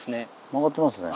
曲がってますね。